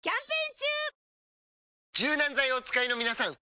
柔軟剤をお使いのみなさん！